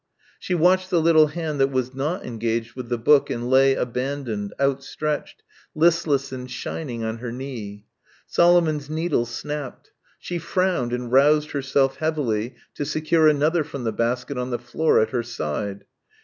She watched the little hand that was not engaged with the book and lay abandoned, outstretched, listless and shining on her knee. Solomon's needle snapped. She frowned and roused herself heavily to secure another from the basket on the floor at her side.